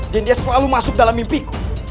dan dia selalu masuk dalam mimpiku